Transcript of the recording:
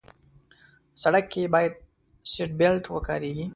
سړک کې باید سیټ بیلټ وکارېږي.